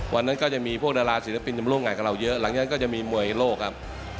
วันนั้นก็จะมีพวกดาราศิลปินจะมาร่วมงานกับเราเยอะหลังจากนั้นก็จะมีมวยโลกครับ